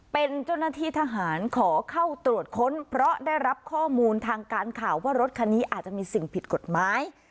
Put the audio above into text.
เป็นเจ้าหน้าที่ทหารขอเข้าตรวจค้นเพราะได้รับข้อมูลทางการข่าวว่ารถคันนี้อาจจะมีสิ่งผิดกฎหมาย